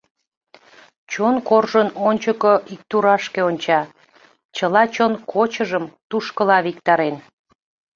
Чон коржын ончыко иктурашке онча, чыла чон кочыжым тушкыла виктарен.